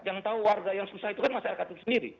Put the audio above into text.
yang tahu warga yang susah itu kan masyarakat itu sendiri